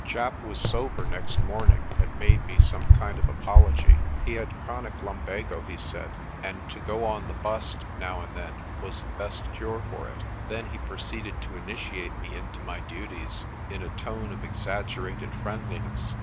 Japp was sober next morning and made me some kind of apology. He had chronic lumbago, he said, and "to go on the bust" now and then was the best cure for it. Then he proceeded to initiate me into my duties in a tone of exag gerated friendliness.